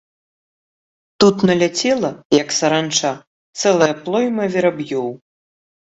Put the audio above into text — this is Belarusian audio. Тут наляцела, як саранча, цэлая плойма вераб'ёў.